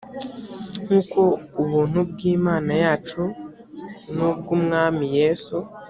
nk uko ubuntu bw imana yacu n ubw umwami yesu